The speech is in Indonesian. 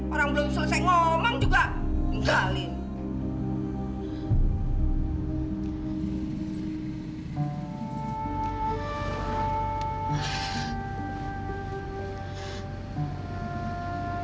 orang belum selesai ngomong juga ngegalin